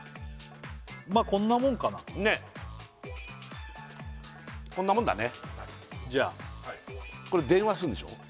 まあこんなもんかなねっこんなもんだねじゃあこれ電話するんでしょ？